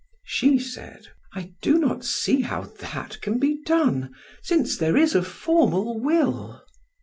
She said: "I do not see how that can be done, since there is a formal will."